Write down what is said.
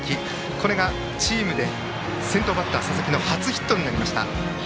これがチームで先頭バッター佐々木のチーム初ヒットになりました。